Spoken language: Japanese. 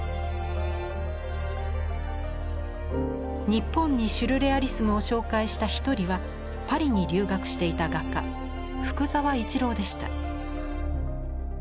日本にシュルレアリスムを紹介した一人はパリに留学していた画家福沢一郎でした。